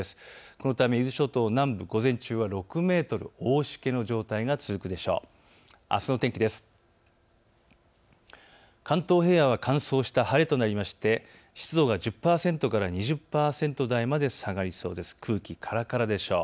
このため伊豆諸島南部、午前中は６メートル、大しけの状態が続くでしょう。